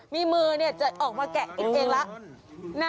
มีมือเนี่ยจะออกมาแกะอีกตัวเองน่ะ